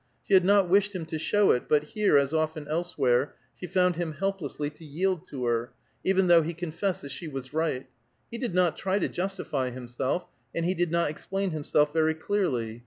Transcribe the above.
She had not wished him to show it, but here, as often elsewhere, she found him helpless to yield to her, even though he confessed that she was right. He did not try to justify himself, and he did not explain himself very clearly.